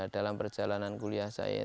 dalam perjalanan kuliah saya itu ya ya ya ya ya